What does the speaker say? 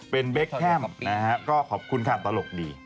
เป็นเบคแคมป์นะฮะก็ขอบคุณค่ะตลกดี